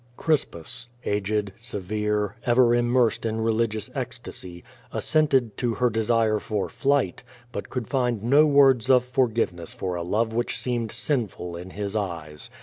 Crispus, aged, severe, ever immersed in religious ecstasy, assented to her desire for flight, but could find no words of forgiveness for a love which seemed sinful in his eyes.